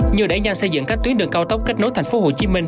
như để nhanh xây dựng các tuyến đường cao tốc kết nối thành phố hồ chí minh